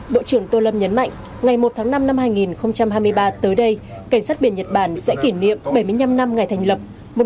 bộ trưởng tô lâm nhấn mạnh ngày một tháng năm năm hai nghìn hai mươi ba tới đây cảnh sát biển nhật bản sẽ kỷ niệm bảy mươi năm năm ngày thành lập một nghìn chín trăm bốn mươi tám hai nghìn hai mươi ba